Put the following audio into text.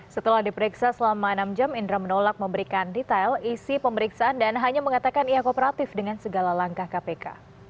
setelah diperiksa selama enam jam indra menolak memberikan detail isi pemeriksaan dan hanya mengatakan ia kooperatif dengan segala langkah kpk